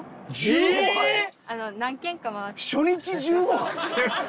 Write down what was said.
初日１５杯？